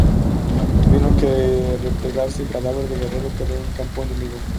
Tuvieron que replegarse y el cadáver de Guerrero quedó en campo enemigo.